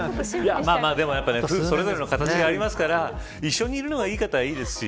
でも夫婦それぞれの形がありますから一緒にいるのがいい方はいいですし。